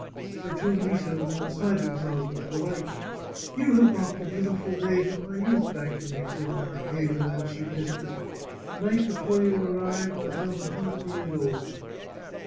Her two nieces were beside themselves with delight. " You have brought the beautiful days of my youth back to me !" said the marchesa as she kissed her, " The night before you arrived I felt a hundred years old."